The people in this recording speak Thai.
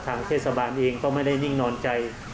ทางเทศบาลเองก็ไม่ได้นิ่งนอนใจ